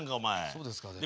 そうですかね？